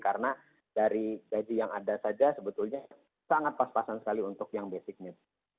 karena dari gaji yang ada saja sebetulnya sangat pas pasan sekali untuk yang basic needs